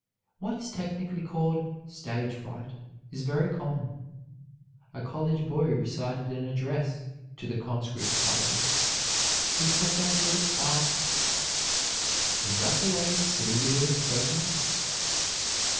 What is technically called "stage fright" is very common. A college boy recited an address "to the conscript fathers." His professor asked, "Is that the way Caesar would have spoken it?"